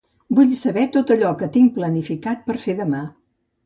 Vull saber tot allò que tinc planificat per fer demà.